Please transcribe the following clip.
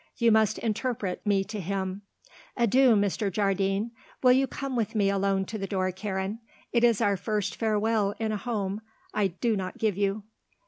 You must interpret me to him. Adieu, Mr. Jardine. Will you come with me alone to the door, Karen. It is our first farewell in a home I do not give you."